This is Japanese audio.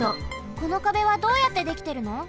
この壁はどうやってできてるの？